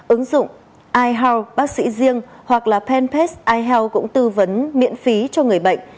ứng dụng ihealth bác sĩ riêng hoặc là penpest ihealth cũng tư vấn miễn phí cho người bệnh